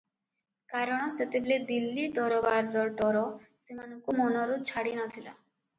କାରଣ ସେତେବେଳେ ଦିଲ୍ଲୀ ଦରବାରର ଡର ସେମାନଙ୍କୁ ମନରୁ ଛାଡ଼ି ନଥିଲା ।